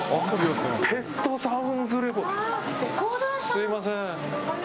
すみません。